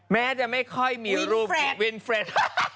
แม้จะไม่ค่อยมีรูปวินเฟรนด์